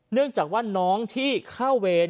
เนื่องจากว่าน้องที่เข้าเวร